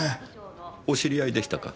お知り合いでしたか。